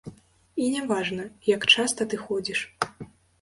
І не важна, як часта ты ходзіш.